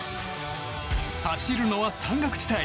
走るのは山岳地帯。